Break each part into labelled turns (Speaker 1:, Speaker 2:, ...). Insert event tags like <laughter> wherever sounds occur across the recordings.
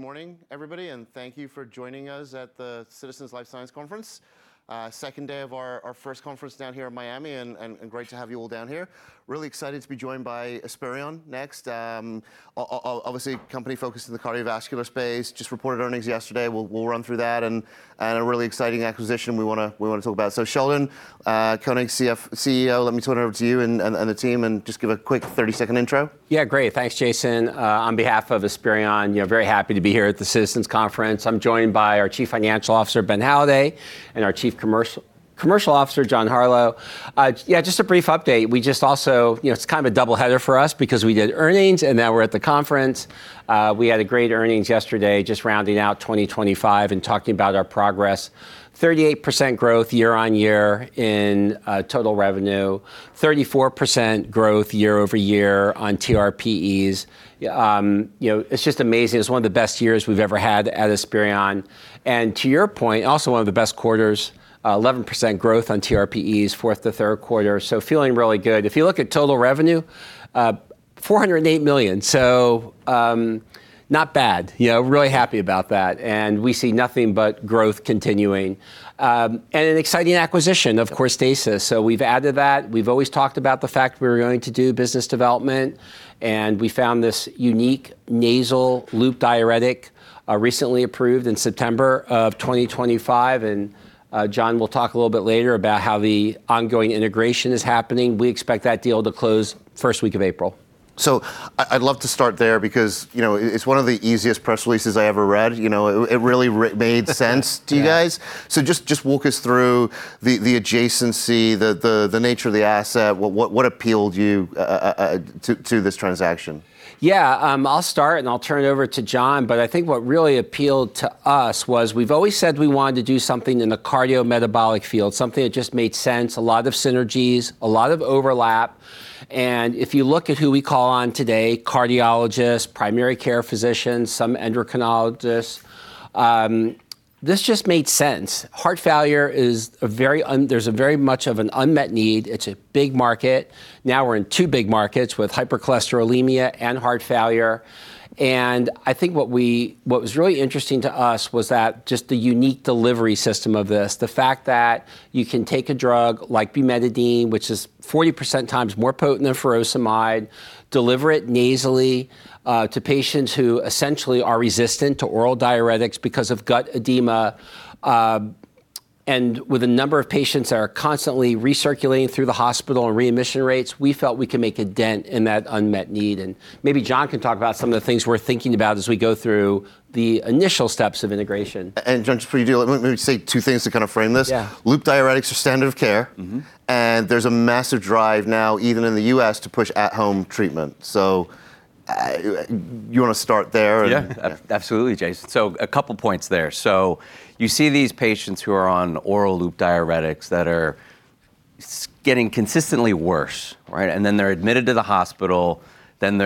Speaker 1: Good morning, everybody, and thank you for joining us at the Citizens Life Sciences Conference. Second day of our first conference down here in Miami and great to have you all down here. Really excited to be joined by Esperion next. Obviously a company focused in the cardiovascular space. Just reported earnings yesterday. We'll run through that, and a really exciting acquisition we wanna talk about. Sheldon Koenig, CEO, let me turn it over to you and the team, and just give a quick 30-second intro.
Speaker 2: Yeah. Great. Thanks, Jason. On behalf of Esperion, you know, very happy to be here at the Citizens Conference. I'm joined by our Chief Financial Officer, Ben Halladay, and our Chief Commercial Officer, John Harlow. Just a brief update. You know, it's kind of a double header for us because we did earnings, and now we're at the conference. We had a great earnings yesterday, just rounding out 2025 and talking about our progress. 38% growth year-over-year in total revenue. 34% growth year-over-year on TRx. You know, it's just amazing. It's one of the best years we've ever had at Esperion. To your point, also one of the best quarters, 11% growth on TRx, fourth to third quarter, so feeling really good. If you look at total revenue, $408 million, so not bad. You know, really happy about that, and we see nothing but growth continuing, and an exciting acquisition of Corstasis. We've added that. We've always talked about the fact we were going to do business development, and we found this unique nasal loop diuretic, recently approved in September of 2025, and John will talk a little bit later about how the ongoing integration is happening. We expect that deal to close first week of April.
Speaker 1: I'd love to start there because, you know, it's one of the easiest press releases I ever read. You know, it really made sense to you guys.
Speaker 2: Yeah.
Speaker 1: Just walk us through the adjacency, the nature of the asset. What appealed you to this transaction?
Speaker 2: Yeah. I'll start, and I'll turn it over to John, but I think what really appealed to us was we've always said we wanted to do something in the cardiometabolic field, something that just made sense, a lot of synergies, a lot of overlap, and if you look at who we call on today, cardiologists, primary care physicians, some endocrinologists, this just made sense. Heart failure is. There's a very much of an unmet need. It's a big market. Now we're in two big markets, with hypercholesterolemia and heart failure, and I think what was really interesting to us was that just the unique delivery system of this, the fact that you can take a drug like bumetanide, which is 40 times more potent than furosemide, deliver it nasally, to patients who essentially are resistant to oral diuretics because of gut edema, and with a number of patients that are constantly recirculating through the hospital and readmission rates, we felt we could make a dent in that unmet need. Maybe John can talk about some of the things we're thinking about as we go through the initial steps of integration.
Speaker 1: John, just before you do, let me say two things to kind of frame this.
Speaker 3: Yeah.
Speaker 1: Loop diuretics are standard of care. There's a massive drive now, even in the U.S., to push at-home treatment. You wanna start there or?
Speaker 3: Yeah. Absolutely, Jason. A couple points there. You see these patients who are on oral loop diuretics that are getting consistently worse, right? Then they're admitted to the hospital, then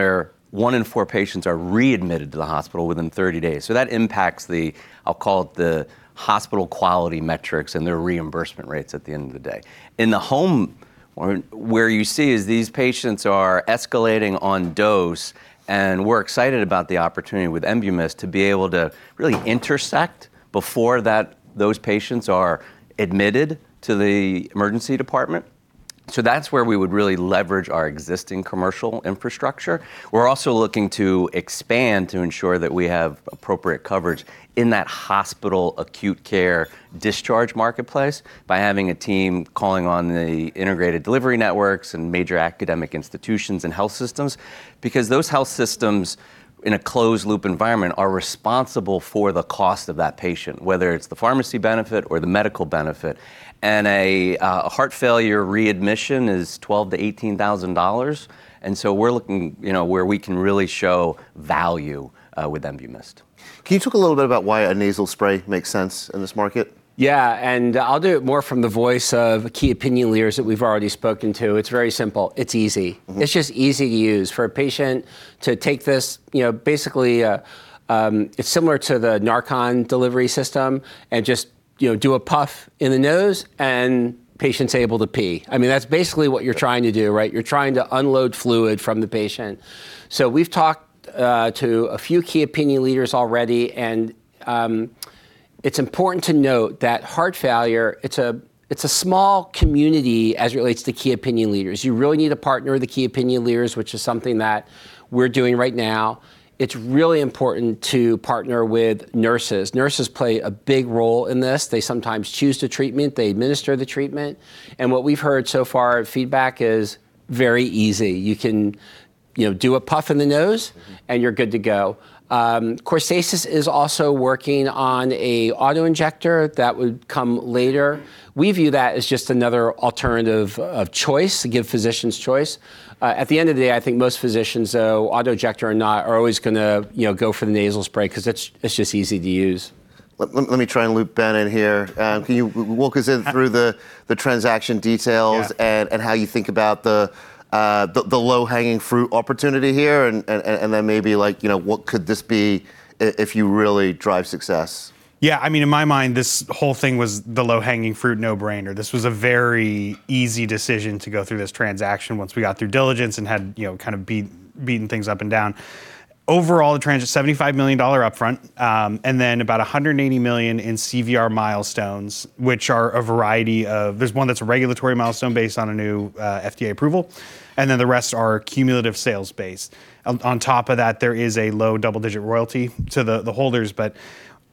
Speaker 3: one in four patients are readmitted to the hospital within 30 days. That impacts the, I'll call it, the hospital quality metrics and their reimbursement rates at the end of the day. In the home, what you see is these patients are escalating on dose, and we're excited about the opportunity with Enbumyst to be able to really intersect before that, those patients are admitted to the emergency department. That's where we would really leverage our existing commercial infrastructure. We're also looking to expand to ensure that we have appropriate coverage in that hospital acute care discharge marketplace by having a team calling on the integrated delivery networks and major academic institutions and health systems because those health systems, in a closed loop environment, are responsible for the cost of that patient, whether it's the pharmacy benefit or the medical benefit, and a heart failure readmission is $12,000-$18,000, and so we're looking, you know, where we can really show value with Enbumyst.
Speaker 1: Can you talk a little bit about why a nasal spray makes sense in this market?
Speaker 2: Yeah. I'll do it more from the voice of key opinion leaders that we've already spoken to. It's very simple. It's easy. It's just easy to use. For a patient to take this, you know, basically, it's similar to the NARCAN delivery system and just, you know, do a puff in the nose, and patient's able to pee. I mean, that's basically what you're trying to do, right? You're trying to unload fluid from the patient. We've talked to a few key opinion leaders already, and it's important to note that heart failure, it's a small community as it relates to key opinion leaders. You really need to partner the key opinion leaders, which is something that we're doing right now. It's really important to partner with nurses. Nurses play a big role in this. They sometimes choose the treatment. They administer the treatment, and what we've heard so far, feedback is very easy. You can, you know, do a puff in the nose. You're good to go. Corstasis is also working on a auto-injector that would come later. We view that as just another alternative of choice to give physicians choice. At the end of the day, I think most physicians, though, auto-injector or not, are always gonna, you know, go for the nasal spray 'cause it's just easy to use.
Speaker 1: Let me try and loop Ben in here. Can you walk us through the transaction details?
Speaker 4: Yeah...
Speaker 1: and how you think about the low-hanging fruit opportunity here and then maybe, like, you know, what could this be if you really drive success?
Speaker 4: Yeah. I mean, in my mind, this whole thing was the low-hanging fruit, no-brainer. This was a very easy decision to go through this transaction once we got through diligence and had, you know, kind of beaten things up and down. Overall, the transaction's $75 million upfront, and then about $180 million in CVR milestones, which are a variety of. There's one that's a regulatory milestone based on a new FDA approval, and then the rest are cumulative sales-based. On top of that, there is a low double-digit royalty to the holders, but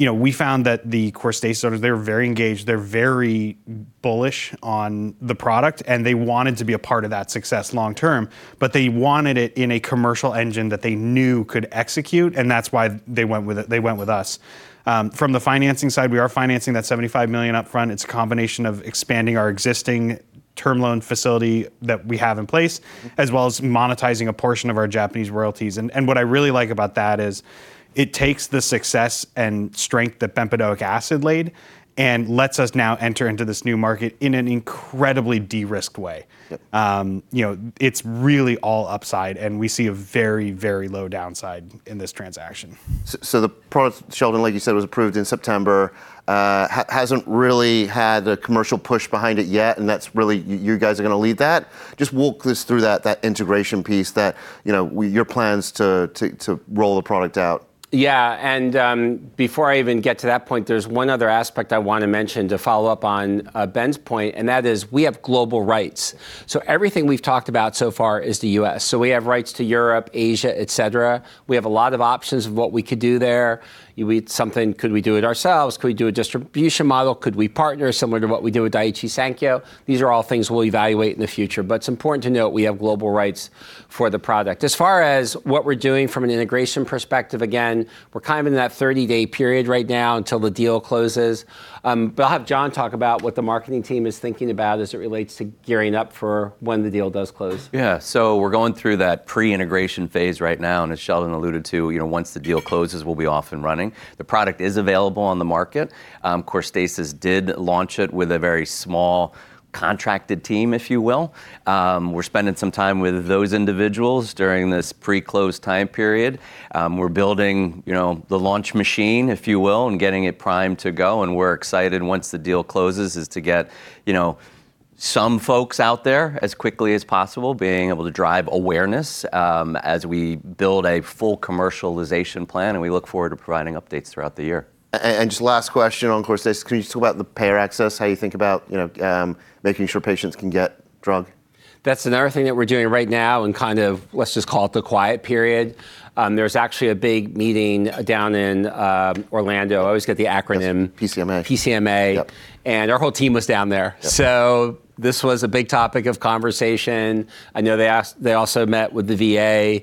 Speaker 4: you know, we found that the Corstasis owners, they're very engaged, they're very bullish on the product, and they wanted to be a part of that success long term, but they wanted it in a commercial engine that they knew could execute, and that's why they went with us. From the financing side, we are financing that $75 million upfront. It's a combination of expanding our existing term loan facility that we have in place, as well as monetizing a portion of our Japanese royalties. What I really like about that is it takes the success and strength that Bempedoic acid laid and lets us now enter into this new market in an incredibly de-risked way.
Speaker 1: Yep.
Speaker 4: You know, it's really all upside, and we see a very, very low downside in this transaction.
Speaker 1: The product, Sheldon, like you said, was approved in September. Hasn't really had a commercial push behind it yet, and that's really you guys are gonna lead that? Just walk us through that integration piece that, you know, your plans to roll the product out.
Speaker 2: Yeah, before I even get to that point, there's one other aspect I want to mention to follow up on, Ben's point, and that is we have global rights. Everything we've talked about so far is the U.S. We have rights to Europe, Asia, et cetera. We have a lot of options of what we could do there. You know, could we do it ourselves? Could we do a distribution model? Could we partner similar to what we do with Daiichi Sankyo? These are all things we'll evaluate in the future, but it's important to note we have global rights for the product. As far as what we're doing from an integration perspective, again, we're kind of in that 30-day period right now until the deal closes. I'll have John talk about what the marketing team is thinking about as it relates to gearing up for when the deal does close.
Speaker 3: Yeah, we're going through that pre-integration phase right now, and as Sheldon alluded to, you know, once the deal closes, we'll be off and running. The product is available on the market. Corstasis did launch it with a very small contracted team, if you will. We're spending some time with those individuals during this pre-close time period. We're building, you know, the launch machine, if you will, and getting it primed to go, and we're excited once the deal closes is to get, you know, some folks out there as quickly as possible, being able to drive awareness, as we build a full commercialization plan, and we look forward to providing updates throughout the year. Just last question on Corstasis. Can you just talk about the payer access, how you think about, you know, making sure patients can get drug?
Speaker 2: That's another thing that we're doing right now in kind of, let's just call it the quiet period. There's actually a big meeting down in Orlando. I always get the acronym.
Speaker 3: Yes, PCMA.
Speaker 2: PCMA.
Speaker 3: Yep.
Speaker 2: Our whole team was down there.
Speaker 3: Yep.
Speaker 2: This was a big topic of conversation. I know they asked. They also met with the VA,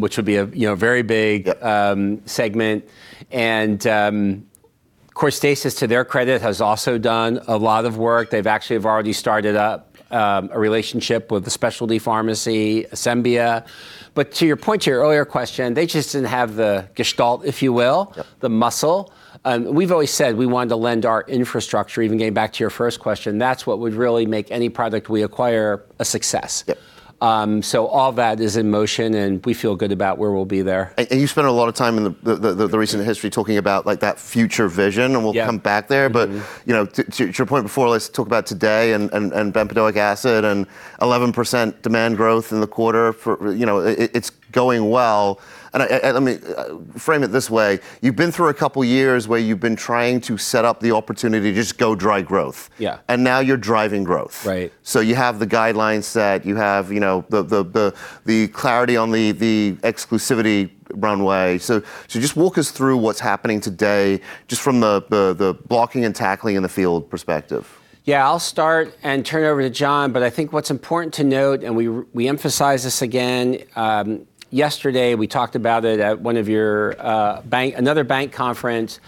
Speaker 2: which would be a, you know, very big-
Speaker 3: Yep
Speaker 2: segment. Corstasis, to their credit, has also done a lot of work. They've actually have already started up a relationship with the specialty pharmacy, Asembia. To your point, to your earlier question, they just didn't have the gestalt, if you will.
Speaker 3: Yep...
Speaker 2: the muscle. We've always said we wanted to lend our infrastructure, even getting back to your first question. That's what would really make any product we acquire a success.
Speaker 3: Yep.
Speaker 2: All that is in motion, and we feel good about where we'll be there.
Speaker 1: You spent a lot of time in the recent history talking about, like, that future vision.
Speaker 2: Yeah
Speaker 1: We'll come back there. You know, to your point before, let's talk about today and Bempedoic acid and 11% demand growth in the quarter. You know, it's going well. Let me frame it this way. You've been through a couple years where you've been trying to set up the opportunity to just go drive growth.
Speaker 2: Yeah.
Speaker 1: Now you're driving growth. You have the guidelines set. You have, you know, the clarity on the exclusivity runway. Just walk us through what's happening today just from the blocking and tackling in the field perspective.
Speaker 2: Yeah, I'll start and turn it over to John, but I think what's important to note, and we emphasized this again, yesterday. We talked about it at one of your bank, another bank conference.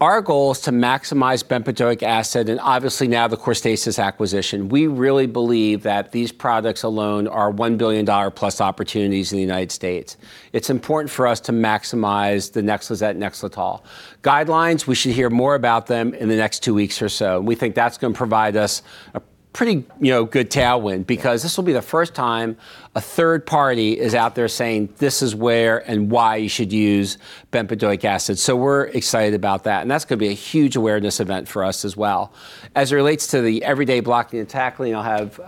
Speaker 2: Our goal is to maximize Bempedoic acid, and obviously now the Corstasis acquisition. We really believe that these products alone are $1+ billion opportunities in the United States. It's important for us to maximize the NEXLIZET, NEXLETOL. Guidelines, we should hear more about them in the next two weeks or so, and we think that's gonna provide us a pretty, you know, good tailwind.
Speaker 3: Yeah
Speaker 2: Because this will be the first time a third party is out there saying, "This is where and why you should use Bempedoic acid." We're excited about that, and that's gonna be a huge awareness event for us as well. As it relates to the everyday blocking and tackling, I'll have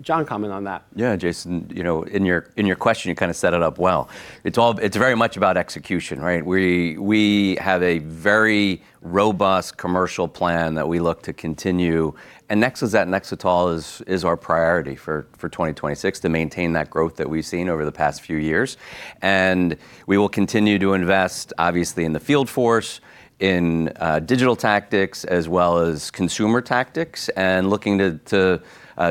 Speaker 2: John comment on that.
Speaker 3: Yeah, Jason, you know, in your question, you kind of set it up well. It's very much about execution, right? We have a very robust commercial plan that we look to continue, and NEXLIZET, NEXLETOL is our priority for 2026 to maintain that growth that we've seen over the past few years. We will continue to invest, obviously, in the field force, in digital tactics, as well as consumer tactics, and looking to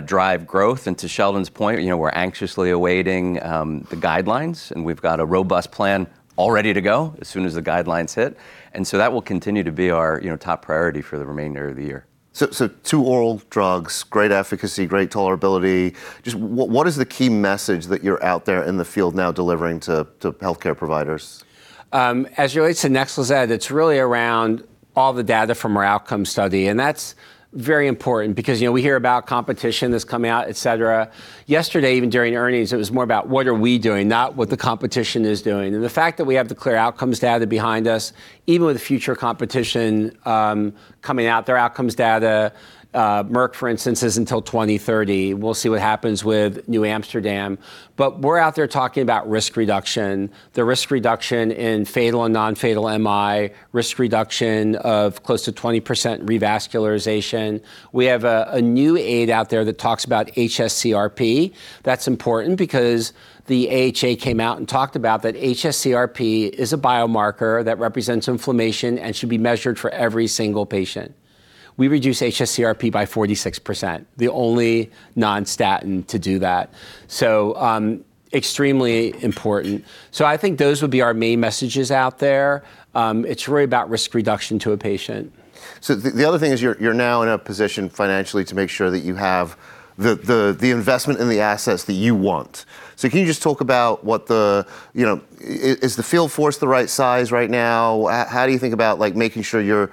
Speaker 3: drive growth. To Sheldon's point, you know, we're anxiously awaiting the guidelines, and we've got a robust plan all ready to go as soon as the guidelines hit. That will continue to be our top priority for the remainder of the year.
Speaker 1: Two oral drugs, great efficacy, great tolerability. Just what is the key message that you're out there in the field now delivering to healthcare providers?
Speaker 2: As it relates to NEXLIZET, it's really around all the data from our outcome study, and that's very important because, you know, we hear about competition that's coming out, et cetera. Yesterday, even during earnings, it was more about what are we doing, not what the competition is doing. The fact that we have the CLEAR Outcomes data behind us, even with the future competition coming out, their outcomes data, Merck, for instance, isn't until 2030. We'll see what happens with NewAmsterdam. We're out there talking about risk reduction, the risk reduction in fatal and non-fatal MI, risk reduction of close to 20% revascularization. We have a new ad out there that talks about hsCRP. That's important because the AHA came out and talked about that hsCRP is a biomarker that represents inflammation and should be measured for every single patient. We reduce hsCRP by 46%, the only non-statin to do that, so extremely important. I think those would be our main messages out there. It's really about risk reduction to a patient.
Speaker 1: The other thing is you're now in a position financially to make sure that you have the investment and the assets that you want. Can you just talk about, you know, is the field force the right size right now? How do you think about, like, making sure you're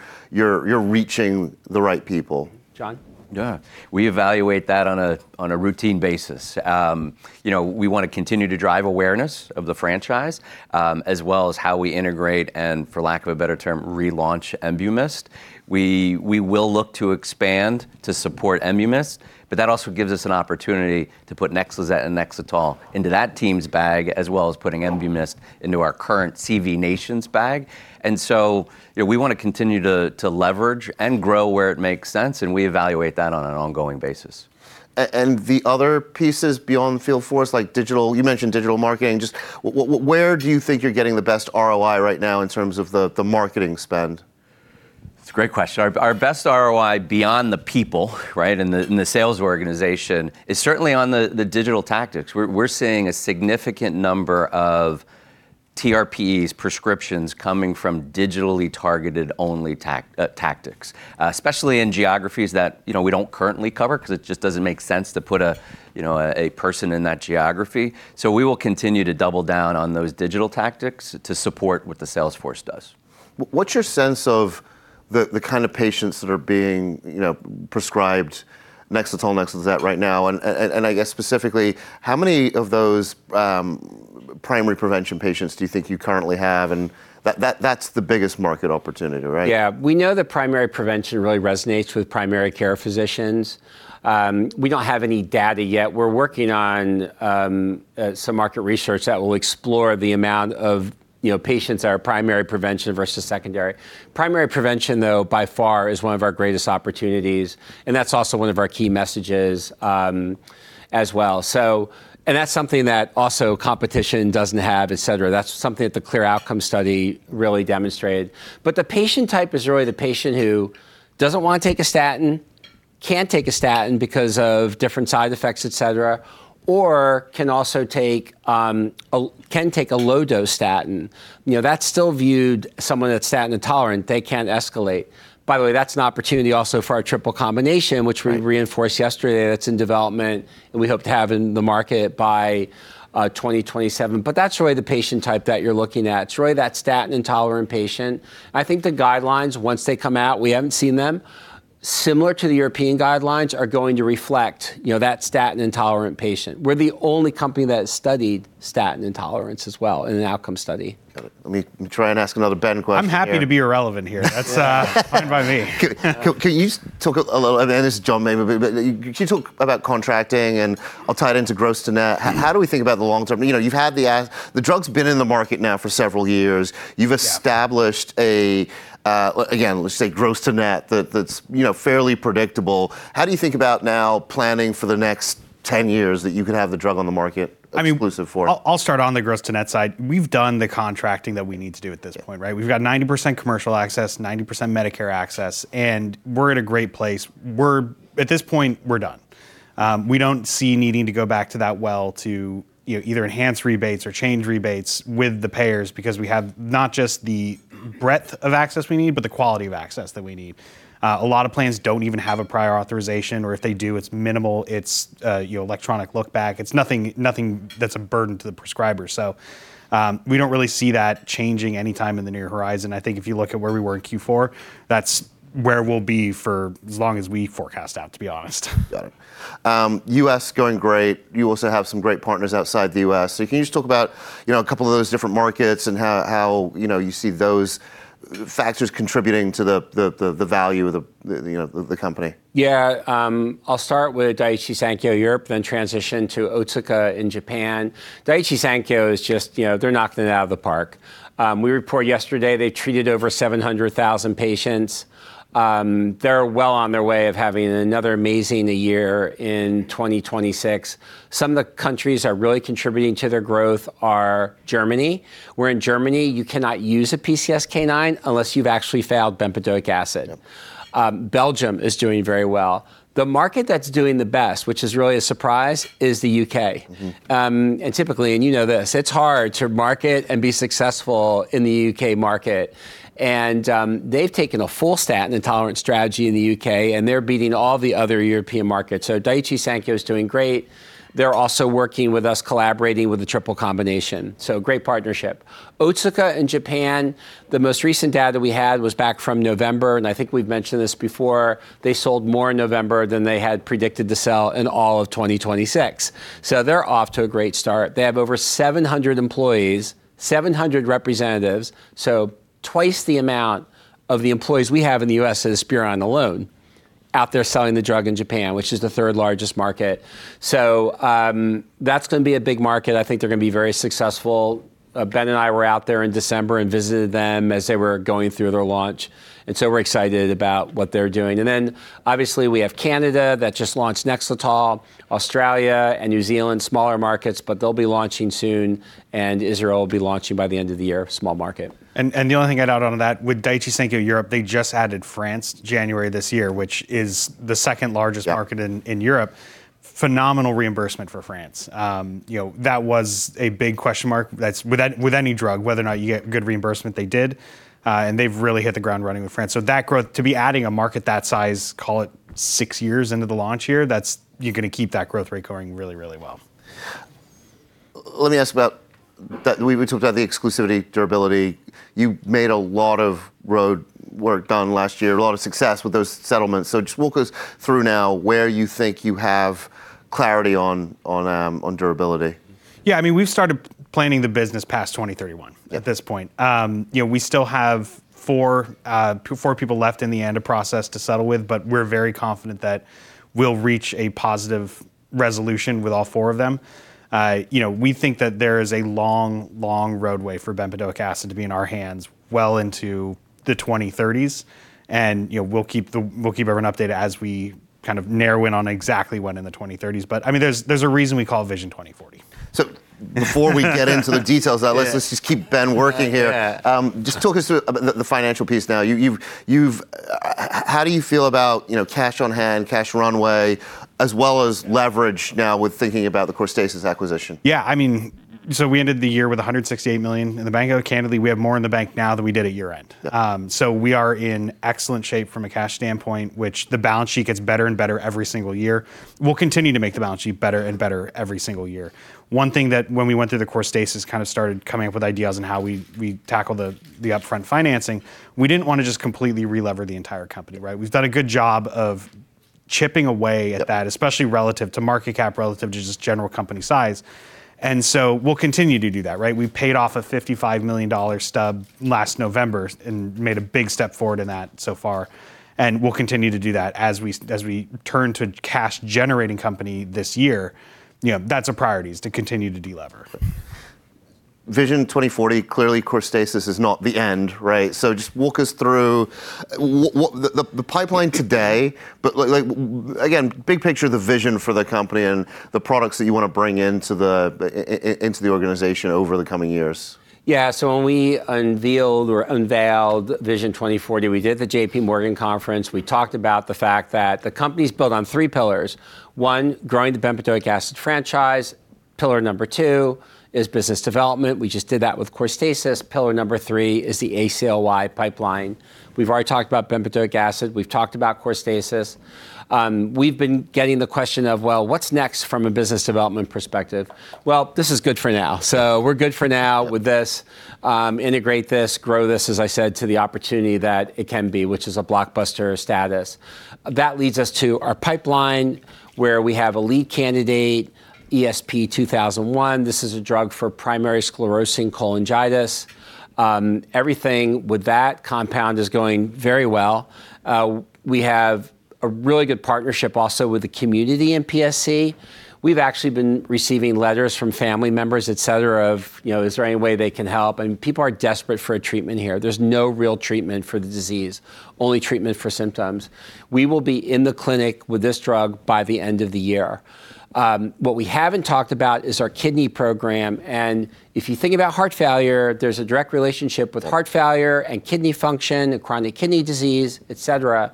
Speaker 1: reaching the right people?
Speaker 2: John?
Speaker 3: Yeah. We evaluate that on a routine basis. You know, we wanna continue to drive awareness of the franchise, as well as how we integrate and, for lack of a better term, relaunch ENBUMYST. We will look to expand to support ENBUMYST, but that also gives us an opportunity to put NEXLIZET and NEXLETOL into that team's bag, as well as putting ENBUMYST into our current <inaudible> bag. You know, we wanna continue to leverage and grow where it makes sense, and we evaluate that on an ongoing basis.
Speaker 1: the other pieces beyond field force, like digital, you mentioned digital marketing, just where do you think you're getting the best ROI right now in terms of the marketing spend?
Speaker 3: It's a great question. Our best ROI beyond the people, right, in the sales organization is certainly on the digital tactics. We're seeing a significant number of TRx prescriptions coming from digitally targeted only tactics, especially in geographies that, you know, we don't currently cover 'cause it just doesn't make sense to put a, you know, a person in that geography. We will continue to double down on those digital tactics to support what the sales force does.
Speaker 1: What's your sense of the kind of patients that are being, you know, prescribed NEXLETOL, NEXLIZET right now? I guess specifically, how many of those primary prevention patients do you think you currently have? That's the biggest market opportunity, right?
Speaker 2: Yeah. We know that primary prevention really resonates with primary care physicians. We don't have any data yet. We're working on some market research that will explore the amount of, you know, patients that are primary prevention versus secondary. Primary prevention, though, by far is one of our greatest opportunities, and that's also one of our key messages, as well. That's something that also competition doesn't have, et cetera. That's something that the CLEAR outcome study really demonstrated. The patient type is really the patient who doesn't want to take a statin, can't take a statin because of different side effects, et cetera, or can also take a low dose statin. You know, that's still viewed someone that's statin intolerant, they can't escalate. By the way, that's an opportunity also for our triple combination. which we reinforced yesterday that's in development, and we hope to have in the market by 2027. That's really the patient type that you're looking at. It's really that statin intolerant patient, and I think the guidelines, once they come out, we haven't seen them, similar to the European guidelines, are going to reflect, you know, that statin intolerant patient. We're the only company that studied statin intolerance as well in an outcome study.
Speaker 1: Got it. Let me try and ask another Ben question here.
Speaker 4: I'm happy to be irrelevant here. That's fine by me.
Speaker 1: Can you just talk a little. This is John maybe, but can you talk about contracting, and I'll tie it into gross to net. How do we think about the long term? You know, you've had the drug's been in the market now for several years. You've established a, again, let's say gross to net that's you know fairly predictable. How do you think about now planning for the next 10 years that you can have the drug on the market?
Speaker 4: I mean.
Speaker 1: exclusive for?
Speaker 4: I'll start on the gross to net side. We've done the contracting that we need to do at this point.
Speaker 2: Yeah.
Speaker 4: Right? We've got 90% commercial access, 90% Medicare access, and we're at a great place. At this point, we're done. We don't see needing to go back to that well to, you know, either enhance rebates or change rebates with the payers, because we have not just the breadth of access we need, but the quality of access that we need. A lot of plans don't even have a prior authorization, or if they do, it's minimal. It's, you know, electronic look back. It's nothing that's a burden to the prescriber. We don't really see that changing anytime in the near horizon. I think if you look at where we were in Q4, that's where we'll be for as long as we forecast out, to be honest.
Speaker 1: Got it. U.S. going great. You also have some great partners outside the U.S. Can you just talk about, you know, a couple of those different markets and how, you know, you see those factors contributing to the value of the, you know, the company?
Speaker 2: Yeah. I'll start with Daiichi Sankyo Europe, then transition to Otsuka in Japan. Daiichi Sankyo is just you know, they're knocking it out of the park. We reported yesterday they treated over 700,000 patients. They're well on their way to having another amazing year in 2026. Some of the countries are really contributing to their growth are Germany, where in Germany you cannot use a PCSK9 unless you've actually failed Bempedoic acid.
Speaker 1: Yep.
Speaker 2: Belgium is doing very well. The market that's doing the best, which is really a surprise, is the U.K. Typically, and you know this, it's hard to market and be successful in the U.K. market. They've taken a full statin intolerance strategy in the U.K., and they're beating all the other European markets. Daiichi Sankyo is doing great. They're also working with us, collaborating with the triple combination, so great partnership. Otsuka in Japan, the most recent data we had was back from November, and I think we've mentioned this before. They sold more in November than they had predicted to sell in all of 2026. They're off to a great start. They have over 700 employees, 700 representatives, twice the amount of the employees we have in the U.S. at Esperion alone, out there selling the drug in Japan, which is the third largest market. That's gonna be a big market. I think they're gonna be very successful. Ben and I were out there in December and visited them as they were going through their launch, and so we're excited about what they're doing. Obviously we have Canada that just launched NEXLETOL, Australia and New Zealand, smaller markets, but they'll be launching soon, and Israel will be launching by the end of the year. Small market.
Speaker 4: The only thing I'd add onto that, with Daiichi Sankyo Europe, they just added France in January this year, which is the second largest market.
Speaker 2: Yeah
Speaker 4: In Europe. Phenomenal reimbursement for France. You know, that was a big question mark. That's with any drug, whether or not you get good reimbursement. They did, and they've really hit the ground running with France. That growth, to be adding a market that size, call it six years into the launch here, that's. You're gonna keep that growth rate going really well.
Speaker 1: Let me ask about that. We talked about the exclusivity, durability. You made a lot of groundwork done last year, a lot of success with those settlements. Just walk us through now where you think you have clarity on durability.
Speaker 4: Yeah, I mean, we've started planning the business past 2031.
Speaker 1: Yeah
Speaker 4: At this point. You know, we still have four people left in the ANDA process to settle with, but we're very confident that we'll reach a positive resolution with all four of them. You know, we think that there is a long, long roadway for Bempedoic acid to be in our hands well into the 2030s, and, you know, we'll keep everyone updated as we kind of narrow in on exactly when in the 2030s. I mean, there's a reason we call it Vision 2040.
Speaker 1: Before we get into the details now.
Speaker 4: Yeah...
Speaker 1: let's just keep Ben working here.
Speaker 4: Yeah.
Speaker 1: Just talk us through the financial piece now. How do you feel about, you know, cash on hand, cash runway, as well as leverage now with thinking about the Corstasis acquisition?
Speaker 4: Yeah, I mean, we ended the year with $168 million in the bank. Though candidly, we have more in the bank now than we did at year-end.
Speaker 1: Yeah.
Speaker 4: We are in excellent shape from a cash standpoint, which the balance sheet gets better and better every single year. We'll continue to make the balance sheet better and better every single year. One thing that when we went through the Corstasis kind of started coming up with ideas on how we tackle the upfront financing, we didn't wanna just completely relever the entire company, right? We've done a good job of chipping away at that.
Speaker 1: Yeah
Speaker 4: Especially relative to market cap, relative to just general company size, and so we'll continue to do that, right? We've paid off a $55 million stub last November and made a big step forward in that so far, and we'll continue to do that as we turn to cash generating company this year. You know, that's a priority, is to continue to delever.
Speaker 1: Vision 2040, clearly Corstasis is not the end, right? Just walk us through what the pipeline today, but like again, big picture, the vision for the company and the products that you wanna bring into the organization over the coming years.
Speaker 2: Yeah. When we unveiled Vision 2040, we did the J.P. Morgan conference. We talked about the fact that the company's built on three pillars. One, growing the Bempedoic acid franchise. Pillar number two is business development. We just did that with Corstasis. Pillar number three is the ACLY pipeline. We've already talked about Bempedoic acid. We've talked about Corstasis. We've been getting the question of, "Well, what's next from a business development perspective?" Well, this is good for now, so we're good for now with this. Integrate this, grow this, as I said, to the opportunity that it can be, which is a blockbuster status. That leads us to our pipeline where we have a lead candidate, ESP-2001. This is a drug for primary sclerosing cholangitis. Everything with that compound is going very well. We have a really good partnership also with the community in PSC. We've actually been receiving letters from family members, et cetera, of, you know, is there any way they can help, and people are desperate for a treatment here. There's no real treatment for the disease, only treatment for symptoms. We will be in the clinic with this drug by the end of the year. What we haven't talked about is our kidney program, and if you think about heart failure, there's a direct relationship with heart failure and kidney function and chronic kidney disease, et cetera.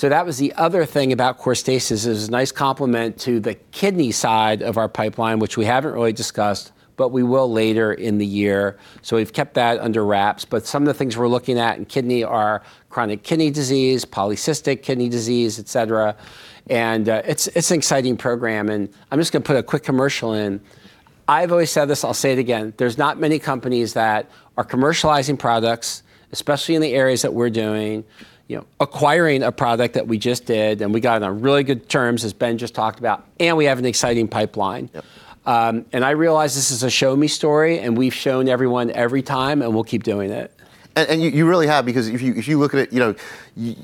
Speaker 2: That was the other thing about Corstasis is nice complement to the kidney side of our pipeline, which we haven't really discussed, but we will later in the year. We've kept that under wraps, but some of the things we're looking at in kidney are chronic kidney disease, polycystic kidney disease, et cetera. It's an exciting program, and I'm just gonna put a quick commercial in. I've always said this, I'll say it again. There's not many companies that are commercializing products, especially in the areas that we're doing, you know, acquiring a product that we just did, and we got on really good terms, as Ben just talked about, and we have an exciting pipeline.
Speaker 4: Yep.
Speaker 2: I realize this is a show-me story, and we've shown everyone every time, and we'll keep doing it.
Speaker 1: You really have, because if you look at it, you know, it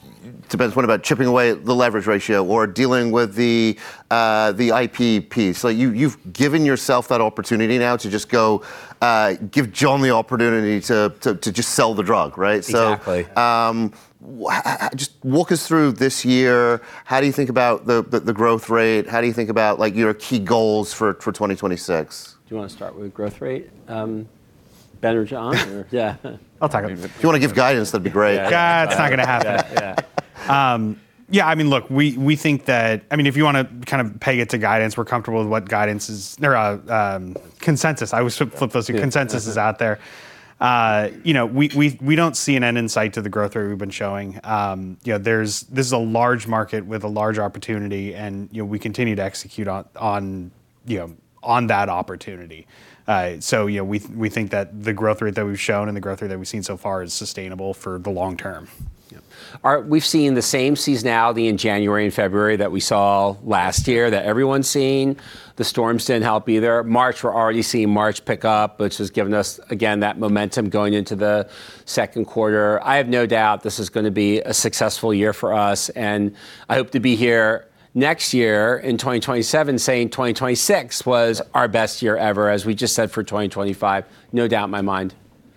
Speaker 1: depends, what about chipping away at the leverage ratio or dealing with the IP piece. You've given yourself that opportunity now to just go give John the opportunity to just sell the drug, right?
Speaker 2: Exactly
Speaker 1: Just walk us through this year. How do you think about the growth rate? How do you think about, like, your key goals for 2026?
Speaker 2: Do you wanna start with growth rate, Ben or John? Yeah.
Speaker 4: I'll talk about it.
Speaker 1: If you wanna give guidance, that'd be great.
Speaker 2: Yeah.
Speaker 4: It's not gonna happen.
Speaker 2: Yeah, yeah.
Speaker 4: Yeah, I mean, look, we think that, I mean, if you wanna kind of peg it to guidance, we're comfortable with what guidance is or consensus. I always flip those.
Speaker 2: Yeah.
Speaker 4: Consensus is out there. You know, we don't see an end in sight to the growth rate we've been showing. This is a large market with a large opportunity, and you know, we continue to execute on that opportunity. Yeah, we think that the growth rate that we've shown and the growth rate that we've seen so far is sustainable for the long term.
Speaker 2: Yeah. We've seen the same seasonality in January and February that we saw last year, that everyone's seen. The storms didn't help either. March, we're already seeing March pick up, which has given us, again, that momentum going into the second quarter. I have no doubt this is gonna be a successful year for us, and I hope to be here next year in 2027 saying 2026 was our best year ever, as we just said for 2025, no doubt in my mind.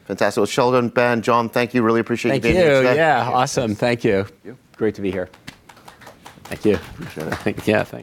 Speaker 1: Fantastic. Well, Sheldon, Ben, John, thank you. Really appreciate you being here today.
Speaker 2: Thank you. Yeah, awesome. Thank you.
Speaker 4: Thank you.
Speaker 3: Great to be here. Thank you.
Speaker 4: Appreciate it.
Speaker 2: Thank you.